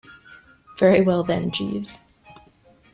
Very well, then, Jeeves.